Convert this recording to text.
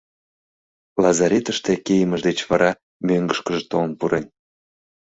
Лазаретыште кийымыж деч вара мӧҥгышкыжӧ толын пурен.